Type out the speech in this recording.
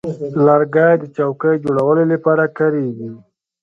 لرګی د چوکۍ جوړولو لپاره کارېږي.